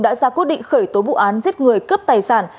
đã ra quyết định khởi tố vụ án giết người cướp tài sản